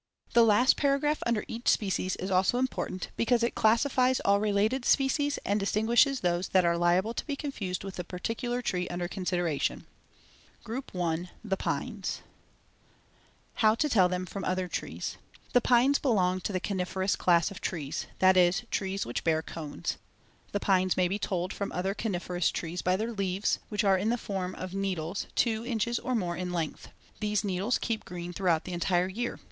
The last paragraph under each species is also important because it classifies all related species and distinguishes those that are liable to be confused with the particular tree under consideration. GROUP I. THE PINES [Illustration: FIG. 1. Twig of the Austrian Pine.] How to tell them from other trees: The pines belong to the coniferous class of trees; that is, trees which bear cones. The pines may be told from the other coniferous trees by their leaves, which are in the form of needles two inches or more in length. These needles keep green throughout the entire year.